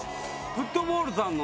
フットボールさんの。